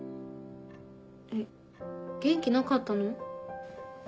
えっ元気なかったの？